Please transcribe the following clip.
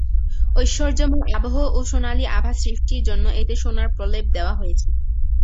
ঐশ্বর্যময় আবহ ও সোনালি আভা সৃষ্টির জন্য এতে সোনার প্রলেপ দেওয়া হয়েছে।